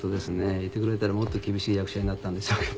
いてくれたらもっと厳しい役者になったんでしょうけども。